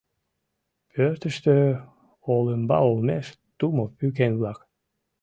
Пӧртыштӧ олымбал олмеш тумо пӱкен-влак.